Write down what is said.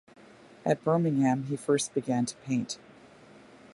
At Birmingham he first began to paint.